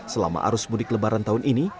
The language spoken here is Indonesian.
selama arus mudik lebaran tahun ini